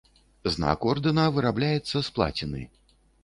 Знак ордэна вырабляецца з плаціны.